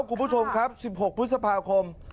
คุณผู้ชมครับ๑๖พฤษภาคม